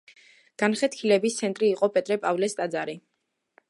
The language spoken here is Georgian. განხეთქილების ცენტრი იყო პეტრე-პავლეს ტაძარი.